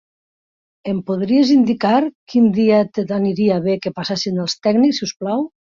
Em podries indicar quin dia t'aniria bé que passessin els tècnics, si us plau?